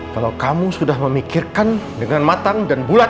kalau kamu sudah memikirkan dengan matang dan bulat